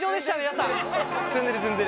皆さん！